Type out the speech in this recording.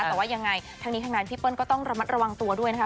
แต่ว่ายังไงทั้งนี้ทั้งนั้นพี่เปิ้ลก็ต้องระมัดระวังตัวด้วยนะคะ